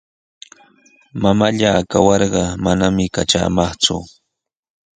Mamallaa kawarqa manami katramaqku.